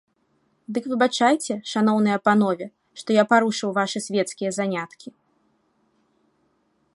Дык выбачайце, шаноўныя панове, што я парушыў вашы свецкія заняткі.